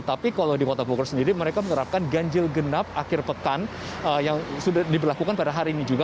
tapi kalau di kota bogor sendiri mereka menerapkan ganjil genap akhir pekan yang sudah diberlakukan pada hari ini juga